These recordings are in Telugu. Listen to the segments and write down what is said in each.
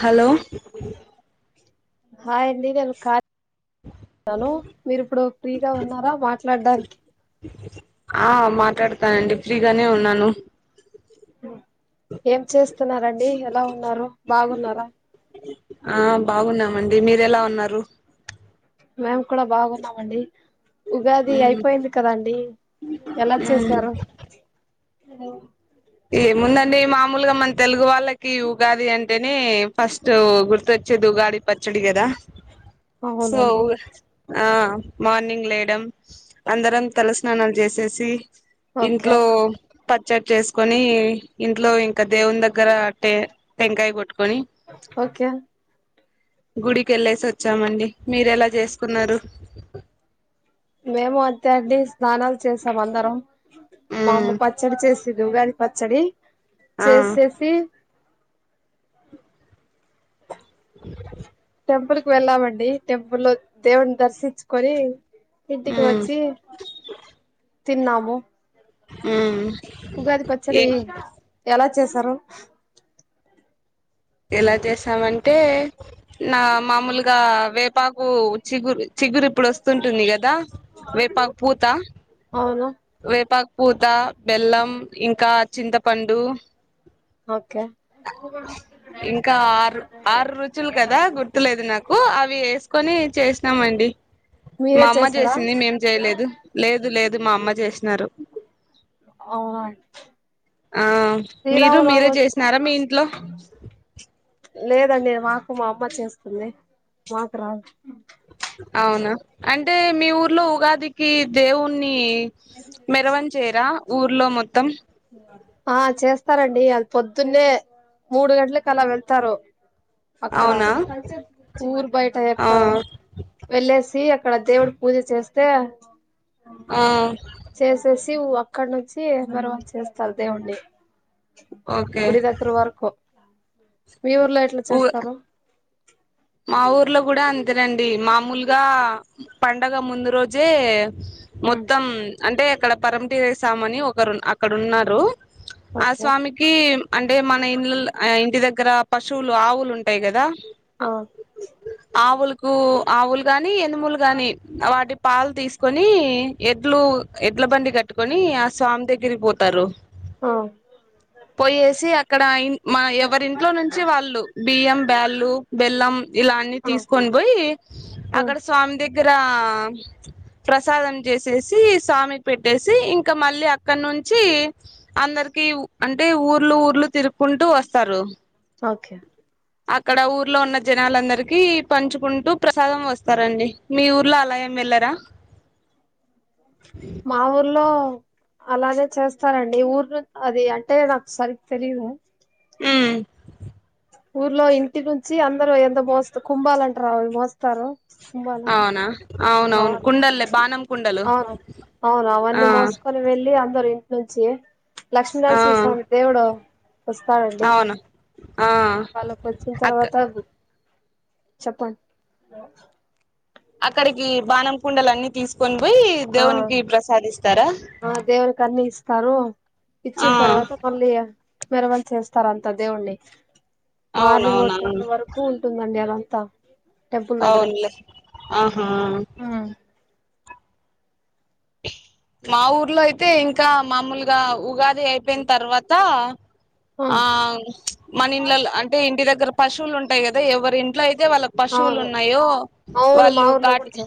హలో హాయ్ అండి నేను కాలిగా ఉన్నాను మీరుప్పుడు ఫ్రీగా ఉన్నారా మాట్లాడడానికి ఆ మాట్లాడతానండి ఫ్రీగానే ఉన్నాను ఏం చేస్తున్నారంండి ఎలా ఉన్నారు బాగున్నారా ఆ బాగున్నాం అండి మీర ఎలా ఉన్నారు మేము కూడా బాగున్నామండి ఉగాది ఉమ్ అయిపోయింది కదాండి ఎలా ఉమ్ చేసారు హలో ఏముందండి మామూలుగా మన తెలుగు వాళ్ళకి ఉగాది అంటేనే ఫస్ట్ గుర్తుొచ్చేది ఉగాది పచ్చడి కదా సో అవునండి ఆ మార్నింగ్ లేయడం అందరం తలస్నానాలు చేసేసి ఓకే ఇంట్లో పచ్చడి చేసి కొని ఇంట్లో ఇంకా దేవుని దగ్గర ట టెంకాయ కొట్టుకొని ఓకే గుడికిెళ్ళేసి వచ్చామండి మీర ఎలా చేసుకున్నారు మేము అంతే అండి స్నానాలు చేసాం అందరం మా ఉమ్ అమ్మ పచ్చడి చేసేది ఉగా పచ్చడి ఆ చేసేసి టెంపుల్ కి వెళ్ళామండి టెంపుల్ లో దేవుని దర్శించుకొని ఇంటికి ఉమ్ వచ్చి తిన్నాము హ్మ్ ఏ చేసారు ఎలా చేసామంటే నా మామూలుగా వేపాకు చిగురు చిగురు ఇప్పుడు వస్తుంటుంది కదా వేపాకు పూత అవును వేపాకు పూత బెల్లం ఇంకా చింతపండు ఓకే ఇంకా ఆరు ఆరు రుచులు కదా గుర్తులేదు నాకు అవి ఎసుకోని చేసినామండి మా మీరే అమ్మ చేసారా చేసింది మేం చేయలేదు లేదు లేదు ఇది మా అమ్మ చేసినారు అవునా ఆ మీరు మీరే శ్రీరామనవమి చేసినారా మీ ఇంట్లో లేదండి మాకు మా అమ్మ చేస్తుంది మాకు రాదు అవునా అం అంటే మీ ఊర్లో ఉగాదికి దేవుణ్ణి మెరవన్ చేయరా ఊర్లో మొత్తం ఆ చేస్తారండి అది పొద్దున్నే మూడు గంటలకు అలా వెళ్తారు అక్కడ అవునా ఊరి బయట ఆ ఎక్కడ వెళ్ళేసి అక్కడ దేవుడు పూజ చేస్తే ఆ చేసేసి అక్కడ నుంచి తర్వాత చేస్తారు దేవున్ని ఓకే గుడి దగ్గర వరకు మీ ఊర్లో ఎట్ల ఊ చేస్తారు మా ఊర్లో గుడ అంతేనండి మామూలుగా పండగ ముందు రోజే ఉమ్ మొత్తం అంటే అక్కడ పరమటీచేశామని ఒకరు అక్కడ ఉన్నారు ఆ ఓకే స్వామికి అంటే మన ఇలాల్లో ఇంటి దగ్గర గ పశువులు ఆవు ఉంటయి కదా ఆ ఆవులుకు ఆవులు గాని ఎనుములు గాని వాటి పాలు తీసుకొని ఎడ్లు ఎడ్ల బండి కట్టుకొని ఆ స్వామి దగ్గ దిరిగిపోతారు ఆ పోయేసి అక్కడ ఇ మా ఎవరింట్లో నుంచి వాళ్ళు బియ్యం బ్యాళ్లు బెల్లం ఇలా అన్ని ఆ తీసుకొని పోయి ఆ అక్కడ స్వామి దెగ్ గ్గర ప్రసాదం చేసేసి స్వామికి పెట్టేసి ఇంక మళ్ళీ అక్కడ నుంచి అందరికి అంటే ఊర్లు ఊర్లు తిరుక్కుంటూ వస్తారు ఓకె అక్కడ ఊర్లో ఉన్న జనాలందరికి పంచుకుంటూ ప్రసాదం వస్తారండి మీ ఊర్లో అలా ఏం వెళ్లరా? మా ఊర్లో అలాగే చేస్తారండి ఊరు ను అది అంటే నాక్ సరిగ్ తెలిదు మ్మ్ ఊర్లో ఇంటి నుంచి అందరు ఎందో మోస్త కుంభాల అంటరు అవి మోస్తరు. అవునా ఆ అవునవును కుండల్లే బానం కుండలు ఆ అవును ఆ అవన్నీ మోసుకొని వెళ్ళి అందరు నుంచి ఆ లక్ష్మీనరసింహస్వామి దేవుడు వస్తాడండి. అవును ఆ వాళ్ళకి వచ్చిన అక్క తర్వాత గు చెప్పం అక్కడికి బాణం కుండలన్ని తీసుకొని పోయి ఆ దేవునికి ప్రసాదిస్తారా? తారు ఆ ఇచ్చిన తర్వాత మళ్ళీ మెరవని చేస్తారు అంత దేవున్ని మార్నింగ్ అవునవునా ఒగ్గట్ట వరకు ఉంటుందండి అలా త అవునులే ఆహా ఆ మా ఊర్లో అయితే ఇంకా మామూలుగా ఉగాది అది అయిపోయిన తర్వాత ఆ మన ఇండ్లలో అంటే ఇంటి దగ్గర పశువులుంటాయి కదా ఎవరింట్లో అయి తే వాళ్ళకి పశువులు అవును ఉన్నాయో అవును మా వాళ్ళు ఊర్లో కూడా గాది చే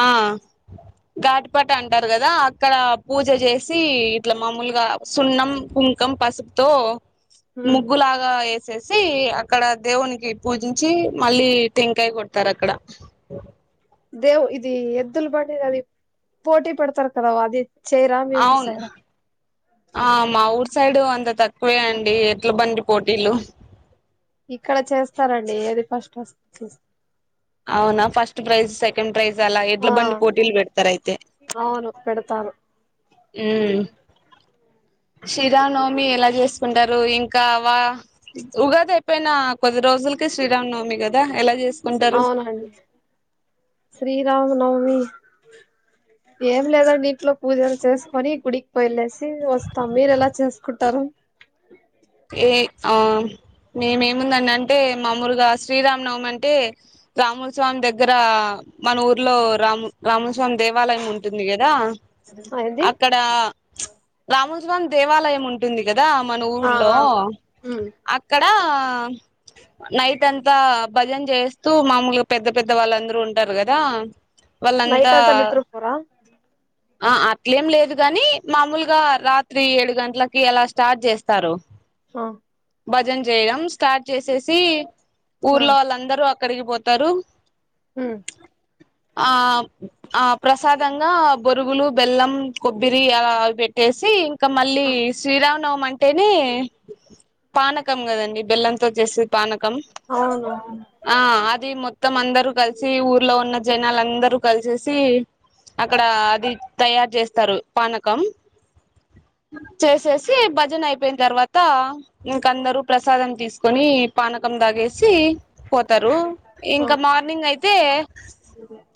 ఆ ఘాటుపట అంటారు కదా అక్కడ పూజ చేసి ఇట్లా మామూలుగా సున్నం, కుంకం, పసుపుతో ముగ్గులాగ ఏస్ చేసి అక్కడ దేవునికి పూజించి మళ్ళీ టెంకాయ కొడతారు అక్కడ దేవ్ ఇది ఎద్దులు బండి అది పోటీ పెడతారు కదా అది చైరా మీ ఊరు అవును సైడ్ ఆ మా ఊర్ సైడ్ అంత తక్కువే అండి ఎట్ల బండి పోటీలు ఇక్కడ చేస్తారండి ఏది ఫస్ట్ వస్తు చూస్ అవునా ఫస్ట్ ప్రైజ్ సెకెండ్ ప్రైజ్ అలా ఎడ్ల ఆ బండి పోటీలు పెడతారయితే అవును పెడతారు హుమ్ శ్రీరామనవమి ఎలా చేసుకుంటారు ఇంకా వా ఉగాది అయిపోయినా కొద్ది రోజులకే శ్రీరామనవమి కదా ఎలా చే అవునండి శ్రీరామ్ ఉ నవమి ఏం లేదండి ఇంట్లో పూజలు చేసుకొని గుడికి పోయలేసి వస్తాం మీరు ఎలా చేసుకుంటారు ఏ ఆ మేమ ఏముందండి అంటే మాముూలుగా శ్రీరామనవమి అంటే రాముల్ స్వామి దగ్గర మన ఊర్లో రాము రామస్వామి దేవాలయం ఉంటుంది కదా అయింది అక్కడ రామోజరం దేవాలయం ఉంటుంది కదా మన ఊరు ఆ లో ఆ అక్కడ ఆ నైట్ అంతా భజన చేస్తూ మామూలుగా పెద్ద పెద్ద వాళ్ళుందరూ ఉంటారు కదా వాళ్ళంతా నైట్ అంతా నిద్ర పోరా ఆ అట్లేం లేదు గాని మామూలుగా రాత్రి ఏడు గంటలకి అలా స్టార్ట్ చేస్ తరు ఆ భజన్ చేయడం క స్టార్ట్ చేసేసి ఆ ఊర్లో వాళ్ళందరూ ఎక్కడికి పోతారు హుం ఆ ఆ ప్రసాదంగా బొరుగులు బెల్లం కొబ్బరి అలా వి పెట్టేసి ఇంకా మళ్ళీ శ్రీరామ్ నవమ అంటేనే పానకం కదండి మీ బెల్లంతో చేసే పానకం అవును ఆ అద్ అది మొత్తం అందరు కలిసి ఊర్లో ఉన్న జనాలందరూ కలిసేసి అక్కడ అది తయారు చేస్తారు పానకం చేేసేసి భజనై ఐపోయిన తర్వాత ఇంక అందరు ప్రసాదం తీస్కొని పానకం తాగేసి పోతరు ఆ ఇంకా మార్నింగ్ అయితే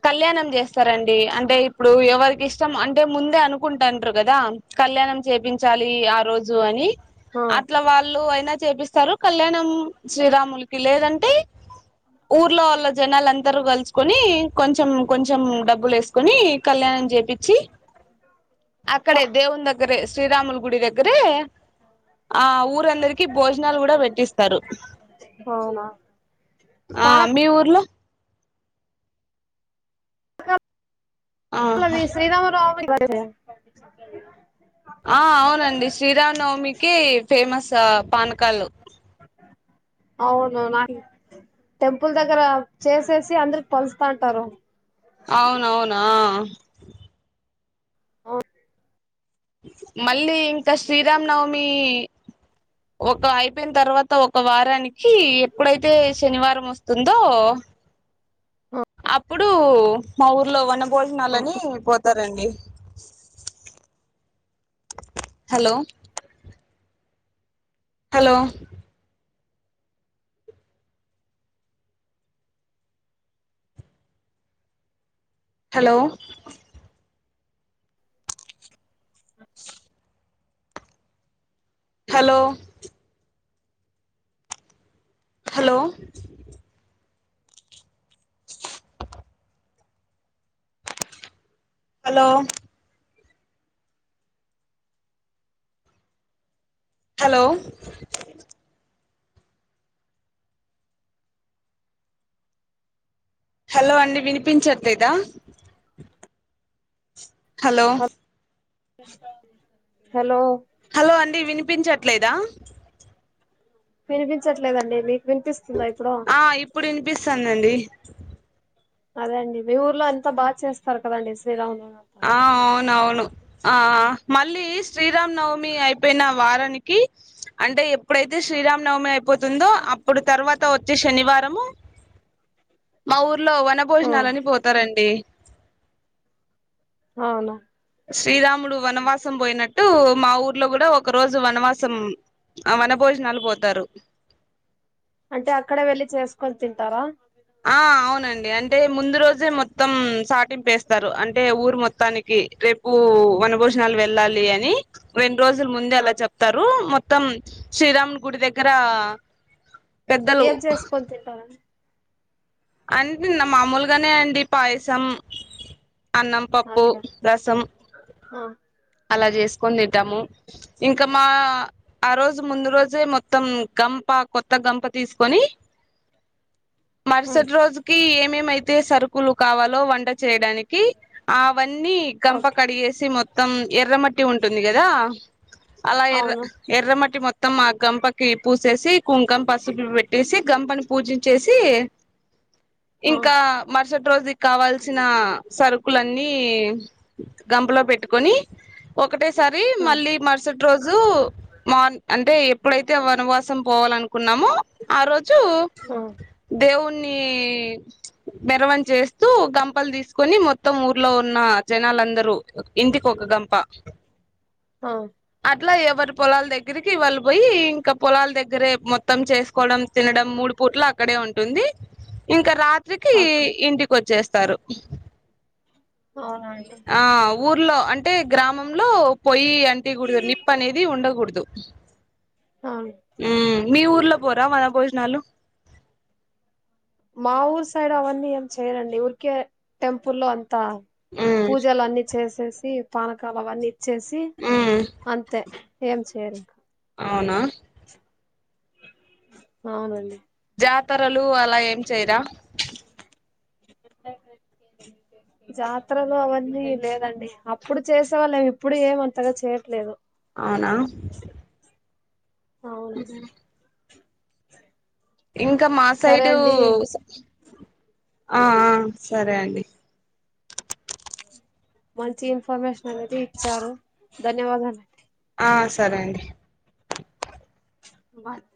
కళ్యాణం చేస్తారండి అంటే ఇప్పుడు ఎవరి ఇష్టం అంటే ముందే అనుకుంటాండ్రు కదా కళ్యాణం చేపించాలి ఆ రోజు అని ఆ అట్ల వాళ్ అయినా చేపిస్తారు కళ్యాణం శ్రీరాములకి లేదంటే ఊర్లో వాళ్ల జనాల్ అన్ ఇద్దరు కలుసుకొని కొంచెం కొంచెం డబ్ బులు వేసుకొని కళ్యాణం చేపిచ్చి పా అక్కడే దేవుని దగ్గరె శ్రీరాముల గుడి దగ్ రె ఆ ఊరందరికి భోజనాలు కూడ పెట్టిస్తరు అవునా ఆ మీ ఊర్లో ఆ అ మీ శ్రీరామనవమి వచ్ సరే ఆ అవునండి శ్రీరామనవమికి ఫేమస్ చ పానకలు అవును నా టెంపుల్ దగ్గర చేసేసి అందరికి పంచుతాంటరు అవునవునా అవు మళ్ళీ ఇంకా శ్రీరామనవమి ఒక అయిపోయిన తర్వాత ఒక వారానికి ఎప్పుడైతే శనివారం వస్తుందో అప్పుడు మా ఊర్లో వన భోజనాలని పోద్ సరే అండి hello hello hello hello hello hello hello hello అండి వినిపించట్లేదా హలో హ హలో హలో అండి వినిప్ పించట్లేదా వినిపించట్లేదండి మిక్ ఆ ఇప్పుడు వినిపిస్తాందండి [inaudible] అదే అండి మీ ఊర్లో అంతా బాగా చేస్తారు కదండి శ్రీరామునవమి ఆ అవునవును ఆ మళ్ళీ శ్రీరామ్నవమి అయిపోయిన వారానికి అంటే ఎప్పుడైతే శ్రీరామ నవమి అయి పోతుందో అప్పుడు తర్వాత వచ్చి శనివారము మ ఊరు ఇ ఊ లో వన ఆ! భోజనలు ఆని పోతారండి అవునా శ్రీరాముడు వనవాసం పోయినట్టు మా ఊర్లో కూడా ఒక రోజు వనవాసం వన భోజనాలు పోతారు అంటే అక్కడ వెళ్లిి చేసుకొని తింటారా ఆ అవునండి అంటే ముందు రోజే మొత్తం సాటింపేస్తారు అంటే ఊరు మొత్తానికి రేపు వనభోజనాలు వెళ్ళాలి అని రెం రోజుల ముందే అలా ఓకే చెప్తారు మొ మొత్తం శ్రీరాముని గుడి దగ్గర పెద్దలు ఏం చేసుకోని తింటార అంటేన్న మామూలుగానే అండి పాయసం అన్నం పప్పు ఓకే రసం ఆ! అలా చేసుకొని తింటాము ఇంకా మా ఆ రోజు ముందు రోజే మొత్తం గంప కొత్త గంప తీసుకొని హ్మ్. సటి రోజుకి మేమైతే సరుకులు కావాలో వంట చేయడానికి అవన్నీ గంప ఓకే కడిగేసి మొ త్తం ఎర్రమట్టి ఉంటుంది కదా అలా ఎర్ర అవును ఎర్ర మట్టి మొత్త మొత్తం గంపకి పూసేసి కుంకం పసుపు పెట్టేసి గంపని పూజించేసి ఆ ఇంకా మరుసటి రోజుకి కావాల్సిన సరుకులన్నీ గంపలో పెట్టుకొని ఒకటేసారి ఉమ్ మళ్ళీ మరుసటి రోజు మార్ అంటే ఎప్పుడైతే వనమాసం పోవాలినుకు కున్నాము ఆ రో జు ఉమ్ దేవున్ నీ మెర్వని చేస్తూ గంపలు తీసుకొని మొత్తం ఊర్లో ఉన్న జనాలందరూ ఇంటికి ఒక గంప ఆ అట్లా ఎవరి పొలాలు దగ్గరికి వాళ్ళు పోయి ఇంకా పొలాల్ దగ్గరే మొత్తం చేస్ కొవడం తినడం మూడు పుట్లా అక్కడే ఉంటుంది ఇంకా రాత్రికి ఓకే ఇంటికి వచ్చేస్తారు అవునా అండి ఆ ఊర్లో అంటే గ్రామంలో పొయ్ యి అంటికూడదు నిప్పు అనేది ఉండకూడదు దు అవును మీ ఊర్లో పోరా వన భోజనాలు మా ఊర్ సైడ్ అవన్నీ ఏం చేయరాండి ఊరికే టెంపుల్లో అం ఉమ్ పూజలన్నీ చేసేసి పానకాల వన్నీ వచ్చేసి ఉమ్ అంతే ఏం చేయరీక అవునా అవునండి జాతరలు అలా ఏం చేయరా జాతరలు అవన్నీ లేదండి అప్పుడు చేసేవాలే ఇప్పుడు ఏమంతగా చేయట్లేదు అవునా అవునండి హ్మ్ ఇంకా మా సైడు సరే అండి స ఆ ఆ సరే అండి మంచి ఇన్ఫర్మేషన్ అనేది ఇచ్చారు ధన్యవాదాలండి ఆ సరే అండి బత్